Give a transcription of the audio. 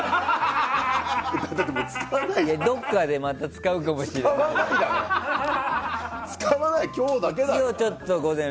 どこかでまた使うかもしれない。